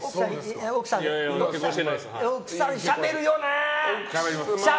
奥さん、しゃべるよね？